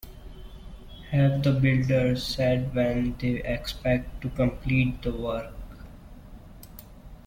Have the builders said when they expect to complete the work?